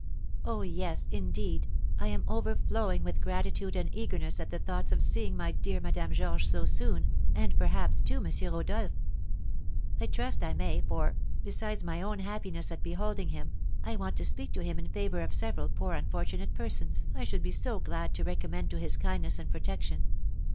"Oh, yes, indeed, I am overflowing with gratitude and eagerness at the thoughts of seeing my dear Madame Georges so soon, and perhaps, too, M. Rodolph! I trust I may, for, besides my own happiness at beholding him, I want to speak to him in favour of several poor unfortunate persons I should be so glad to recommend to his kindness and protection.